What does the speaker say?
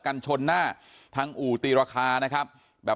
กันชนหน้าทั้งอู่ตีราคา